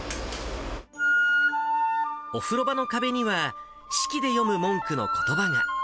お風呂場の壁には、式で読む文句のことばが。